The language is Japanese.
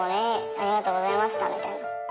「ありがとうございました」みたいな。